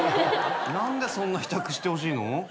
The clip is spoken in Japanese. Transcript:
何でそんな試着してほしいの？